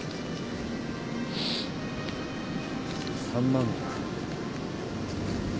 ３万か。